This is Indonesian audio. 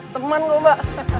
teman gue mbak